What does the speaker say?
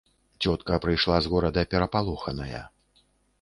Цётка прыйшла з горада перапалоханая.